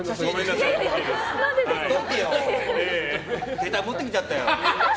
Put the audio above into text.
携帯持ってきちゃったよ。